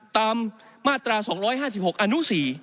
ตามมาตรา๒๕๖อนุ๔